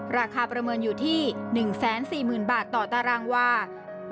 ประเมินอยู่ที่๑๔๐๐๐บาทต่อตารางวา